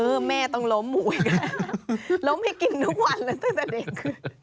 เออแม่ต้องล้มหมูอีกแล้วล้มให้กินทุกวันแล้วตั้งแต่เด็ก